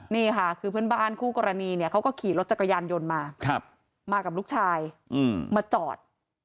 นี่ค่ะคือเพื่อนบ้านคู่กรณีเนี่ยเขาก็ขี่รถจักรยานยนต์มามากับลูกชายมาจอด